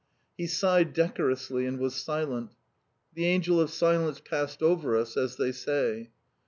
He sighed decorously and was silent. The angel of silence passed over us, as they say.